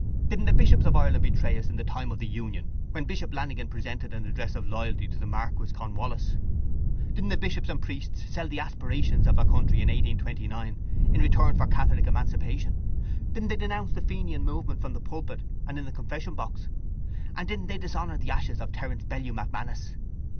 —Didn't the bishops of Ireland betray us in the time of the union when Bishop Lanigan presented an address of loyalty to the Marquess Cornwallis? Didn't the bishops and priests sell the aspirations of their country in 1829 in return for catholic emancipation? Didn't they denounce the fenian movement from the pulpit and in the confession box? And didn't they dishonour the ashes of Terence Bellew MacManus?